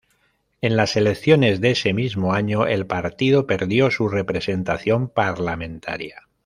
En las elecciones de ese mismo año, el partido perdió su representación parlamentaria.